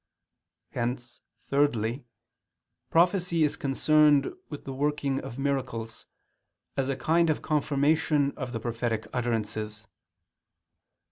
Hence, thirdly, prophecy is concerned with the working of miracles, as a kind of confirmation of the prophetic utterances.